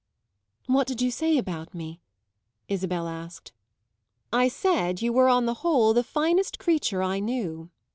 "What did you say about me?" Isabel asked. "I said you were on the whole the finest creature I know."